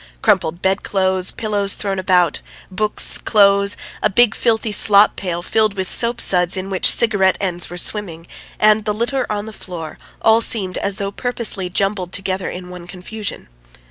Crumpled bed clothes, pillows thrown about, books, clothes, a big filthy slop pail filled with soap suds in which cigarette ends were swimming, and the litter on the floor all seemed as though purposely jumbled together in one confusion.